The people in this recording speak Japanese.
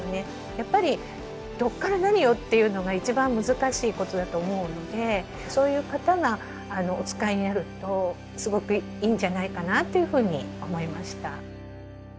やっぱりどっから何をっていうのが一番難しいことだと思うのでそういう方がお使いになるとすごくいいんじゃないかなっていうふうに思いました。